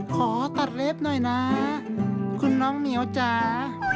ขอตัดเล็บหน่อยนะคุณน้องเหมียวจ๋า